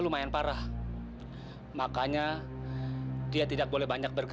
sampai jumpa di video selanjutnya